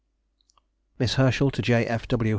MISS HERSCHEL TO J. F. W.